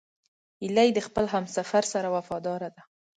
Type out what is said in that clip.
هیلۍ د خپل همسفر سره وفاداره ده